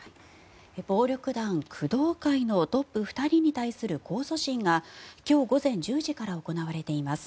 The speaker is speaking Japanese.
暴力団、工藤会のトップ２人に対する控訴審が今日午前１０時から行われています。